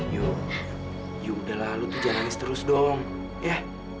yu yudahlah lu tuh jalanin seterus dong ya